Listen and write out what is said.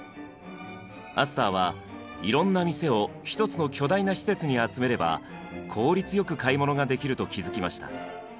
アスターはいろんな店を１つの巨大な施設に集めれば効率よく買い物ができると気付きました。